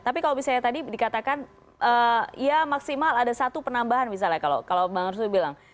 tapi kalau misalnya tadi dikatakan ya maksimal ada satu penambahan misalnya kalau bang arsul bilang